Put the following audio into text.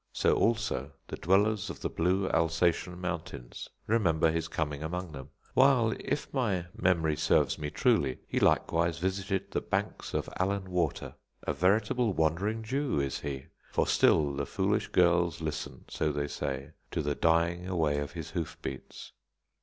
So also the dwellers of the Blue Alsatian Mountains remember his coming among them; while, if my memory serves me truly, he likewise visited the Banks of Allan Water. A veritable Wandering Jew is he; for still the foolish girls listen, so they say, to the dying away of his hoof beats.